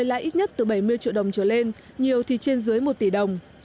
lãi ít nhất từ bảy mươi triệu đồng trở lên nhiều thì trên dưới một tỷ đồng